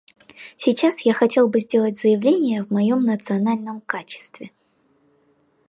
Сейчас я хотел бы сделать заявления в моем национальном качестве.